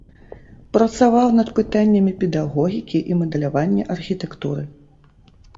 Працаваў над пытаннямі педагогікі і мадэлявання архітэктуры.